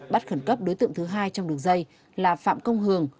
bắt khẩn cấp đối tượng thứ hai trong đường dây là phạm công hường